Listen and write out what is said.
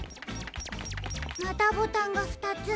またボタンがふたつ。